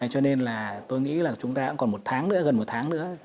cho nên là tôi nghĩ là chúng ta cũng còn một tháng nữa gần một tháng nữa